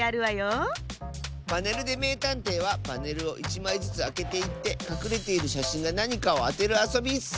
「パネルでめいたんてい」はパネルを１まいずつあけていってかくれているしゃしんがなにかをあてるあそびッス！